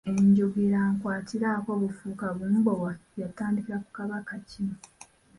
Enjogera "nkwatiraako bufuuka bumbowa" yatandikira ku Kabaka ki?